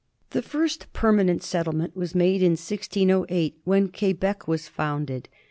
The first permanent settle ment was made in 1608, when Quebec was founded.